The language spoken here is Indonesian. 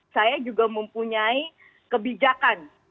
saya juga mempunyai kebijakan